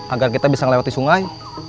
agar kita bisa melewati sungai